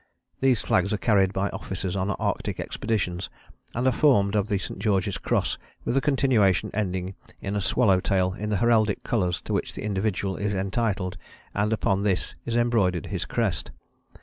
These flags are carried by officers on Arctic expeditions, and are formed of the St. George's Cross with a continuation ending in a swallow tail in the heraldic colours to which the individual is entitled, and upon this is embroidered his crest.